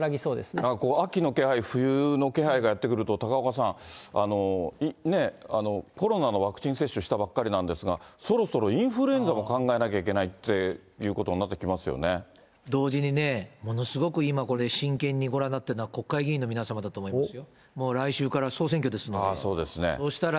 だからもう、秋の気配、冬の気配がやって来ると高岡さん、コロナのワクチン接種したばっかりなんですが、そろそろインフルエンザも考えなきゃいけないっていうことになっ同時にね、ものすごく今これ、真剣にご覧になっているのは国会議員の皆さんだと思いますよ。